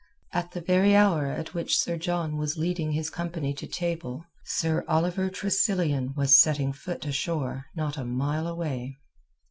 At the very hour at which Sir John was leading his company to table Sir Oliver Tressilian was setting foot ashore not a mile away.